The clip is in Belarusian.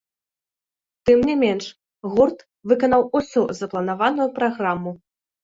Тым не менш гурт выканаў усю запланаваную праграму.